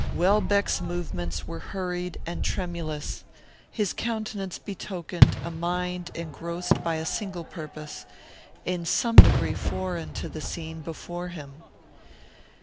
Welbeck's movements were hurried and tremulous. His countenance betokened a mind engrossed by a single purpose, in some degree foreign to the scene before him.